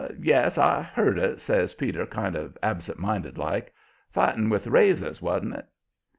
"Yes, I heard it," says Peter, kind of absent minded like. "Fighting with razors, wan't it?"